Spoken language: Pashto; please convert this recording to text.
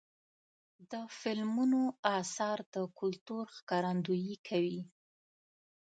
د فلمونو اثار د کلتور ښکارندویي کوي.